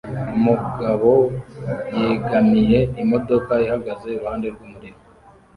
umugabo yegamiye imodoka ihagaze iruhande rwumuriro